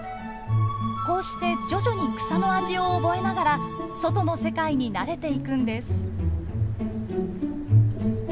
こうして徐々に草の味を覚えながら外の世界に慣れていくんです。